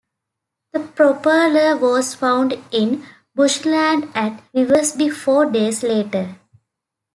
The propeller was found in bushland at Revesby four days later.